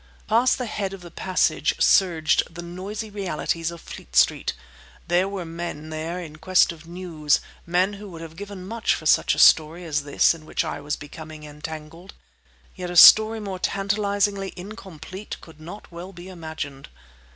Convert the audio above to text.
Past the head of the passage surged the noisy realities of Fleet Street. There were men there in quest of news; men who would have given much for such a story as this in which I was becoming entangled. Yet a story more tantalizingly incomplete could not well be imagined.